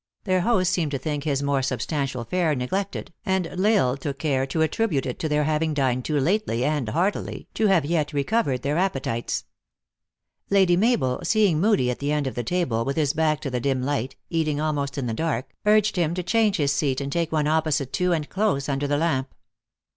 Their host seemed to think his more substantial fare ne glected, and L Isle took care to attribute it to their having dined too lately and heartily, to have yet re covered their appetites. Lady Mabel, seeing Moodie at the end of the table, with his back to the dim light, eating almost in the dark, urged him to change his seat, and take one op posite to and close under the lamp.